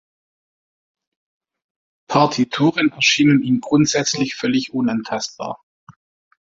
Partituren erschienen ihm grundsätzlich völlig unantastbar.